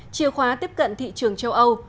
chìa khóa tiếp cận thị trường châu âu